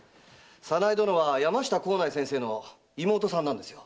早苗殿は山下幸内先生の妹さんなんですよ。